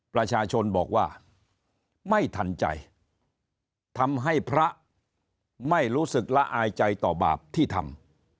ประชาชนบอกว่าไม่ทันใจทำให้พระไม่รู้สึกละอายใจต่อบาปที่ทำ